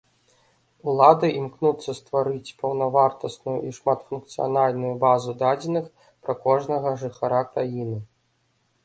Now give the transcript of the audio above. Улады імкнуцца стварыць паўнавартасную і шматфункцыянальную базу дадзеных пра кожнага жыхара краіны.